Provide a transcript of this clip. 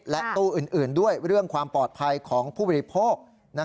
และตู้อื่นด้วยเรื่องความปลอดภัยของผู้บริโภค